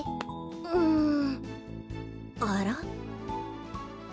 うんあら？